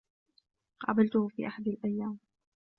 قابلته في أحد الأيام.